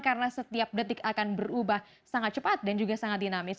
karena setiap detik akan berubah sangat cepat dan juga sangat dinamis